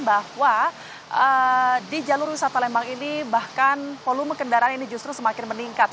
bahwa di jalur wisata lembang ini bahkan volume kendaraan ini justru semakin meningkat